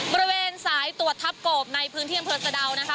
บริเวณสายตัวทัพโกบในพื้นเที่ยงพลเซอเดานะคะ